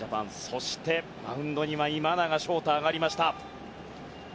そして、マウンドには今永昇太が上がりました。